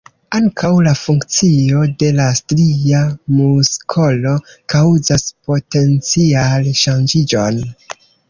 Ankaŭ la funkcio de la stria muskolo kaŭzas potencial-ŝanĝiĝon.